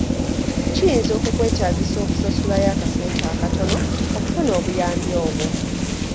Kiyinza okukwetaagisa okusasulayo akasente akatono okufuna obuyambi obwo.